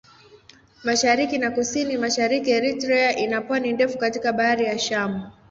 Mashariki na Kusini-Mashariki Eritrea ina pwani ndefu katika Bahari ya Shamu.